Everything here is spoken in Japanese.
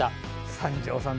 三條さん